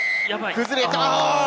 崩れた！